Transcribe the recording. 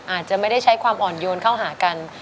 อาจจะไม่ได้ใช้ความอ่อนโยนเข้าหากัน